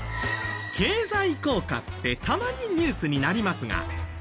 経済効果ってたまにニュースになりますが。